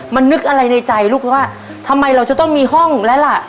มันนึกอะไรในใจลูกว่าทำไมเราจะต้องมีห้องแล้วล่ะ